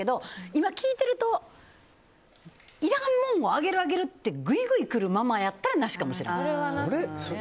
今、聞いているといらん物もあげるあげるってぐいぐい来るママやったらなしかも。